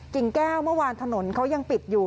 แก้วเมื่อวานถนนเขายังปิดอยู่